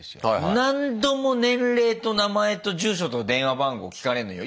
何度も年齢と名前と住所と電話番号聞かれんのよ。